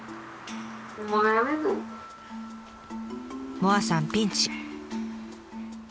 萌彩さんピンチ！